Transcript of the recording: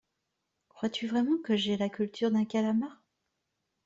Crois-tu vraiment que j’aie la culture d’un calamar?